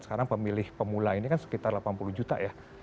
sekarang pemilih pemula ini kan sekitar delapan puluh juta ya